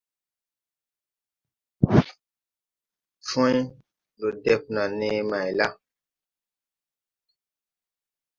Cwãy. Ndɔ def naa nee may la?